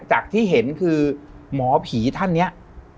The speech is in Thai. จากที่เห็นคือหมอผีท่านเนี่ย